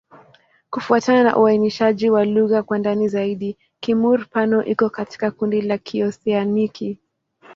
Kufuatana na uainishaji wa lugha kwa ndani zaidi, Kimur-Pano iko katika kundi la Kioseaniki.